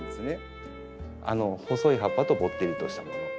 細い葉っぱとぼってりとしたもの。